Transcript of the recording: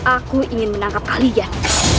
aku ingin menangkap kalian